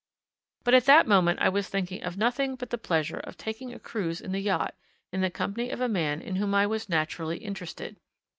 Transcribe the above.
But at that moment I was thinking of nothing but the pleasure of taking a cruise in the yacht, in the company of a man in whom I was naturally interested.